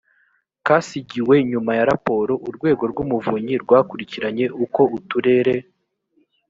kasigiwe nyuma ya raporo urwego rw umuvunyi rwakurikiranye uko uturere